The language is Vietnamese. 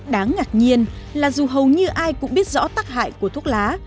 đáng ngạc nhiên là dù hầu như ai cũng biết rõ tắc hại của thuốc lá